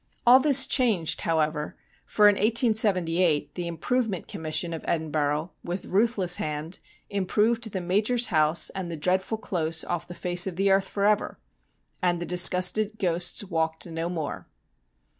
All this is changed, however, for in 1878 the ' Improvement Commission ' of Edinburgh, with ruthless hand, improved the Major's house and the dreadful close off the face of the earth for ever, and the disgusted ghosts walked no more.